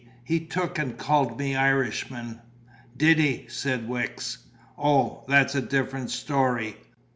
"He took and called me Irishman." "Did he?" said Wicks. "O, that's a different story!